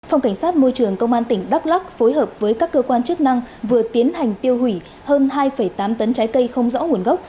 phòng cảnh sát môi trường công an tỉnh đắk lắc phối hợp với các cơ quan chức năng vừa tiến hành tiêu hủy hơn hai tám tấn trái cây không rõ nguồn gốc